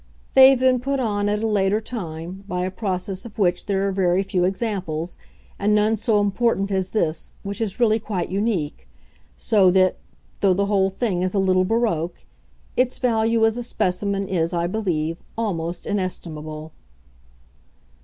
They have been put on at a later time, by a process of which there are very few examples, and none so important as this, which is really quite unique so that, though the whole thing is a little baroque, its value as a specimen is, I believe, almost inestimable."